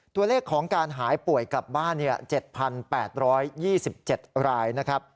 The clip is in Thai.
ตัวเลขของการหายป่วยกลับบ้าน๗๘๒๗รายนะครับ